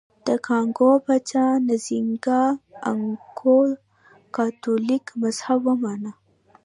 د کانګو پاچا نزینګا ا نکؤو کاتولیک مذهب ومانه.